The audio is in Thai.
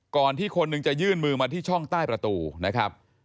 ที่คนหนึ่งจะยื่นมือมาที่ช่องใต้ประตูนะครับ